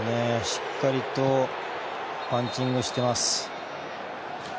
しっかりとパンチングしてます。